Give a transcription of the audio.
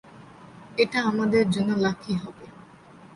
এটা আমাদের জন্য লাকি হবে।